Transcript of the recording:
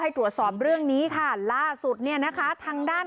ตรวจสอบเรื่องนี้ค่ะล่าสุดเนี่ยนะคะทางด้าน